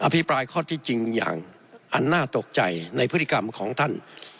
พิปรายข้อที่จริงอย่างอันน่าตกใจในพฤติกรรมของท่าน